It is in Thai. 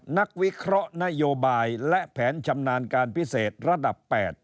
นักวิเคราะห์นโยบายและแผนชำนาญการพิเศษระดับ๘